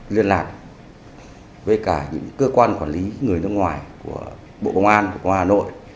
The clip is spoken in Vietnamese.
liên lạc với cả những cơ quan quản lý người nước ngoài của bộ công an hà nội